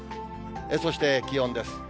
そして気温です。